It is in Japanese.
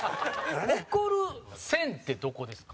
怒る線って、どこですか？